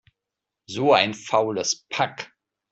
So ein faules Pack!